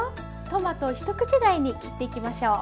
トマトを一口大に切っていきましょう。